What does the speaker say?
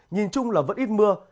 nhìn chung là vẫn ít mưa